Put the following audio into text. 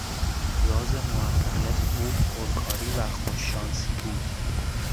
راز موفقیت او پرکاری و خوش شانسی بود.